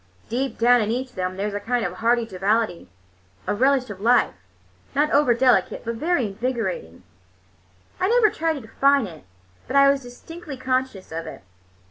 Deep down in each of them there was a kind of hearty joviality, a relish of life, not over delicate, but very invigorating. I never tried to define it, but I was distinctly conscious of it.